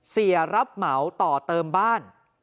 เสียรับเหมาต่อเติมบ้าน